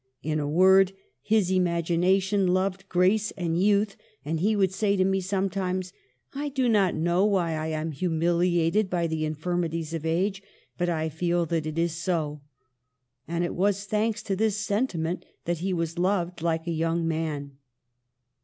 In a word, his imagination loved grace and youth, and he would say to me sometimes, ' I do not know why I am humiliated by the infirmities of age, but I feel that it is so.' And it was thanks to this sentiment that he was loved like a young man."